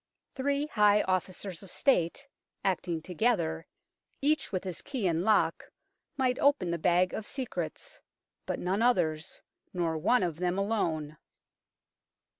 Three high officers of State, acting together, each with his key in lock, might open the Bag of Secrets, but none others, nor one of them alone.